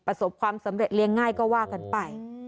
ประสบความสำเร็จเลี้ยงง่ายก็ว่ากันไป